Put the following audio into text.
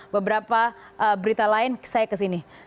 beberapa berita lain saya kesini